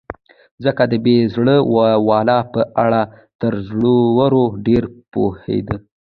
ځکه د بې زړه والاو په اړه تر زړورو ډېر پوهېده.